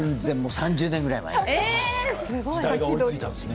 ３０年ぐらい前ね。